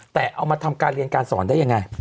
แต่เอามาทำการเรียนการสอนได้ยังไง